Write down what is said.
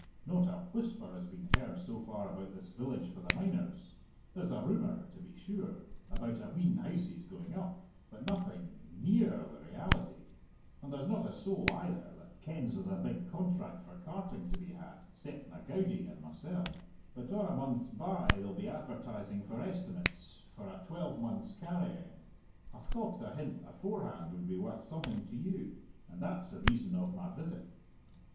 Not a whisper has been heard so far about this village for the miners there's a rumour, to be sure, about a wheen houses going up, but nothing near the reality. And there's not a soul, either, that kens there's a big contract for carting to be had 'ceptna Goudie and mysell. But or a month's by they'll be advertising for estimates for a twelvemonth's carrying. I thocht a hint aforehand would be worth something to you, and that's the reason of my visit."